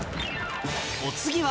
お次は